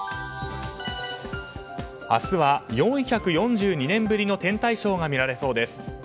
明日は４４２年ぶりの天体ショーが見られそうです。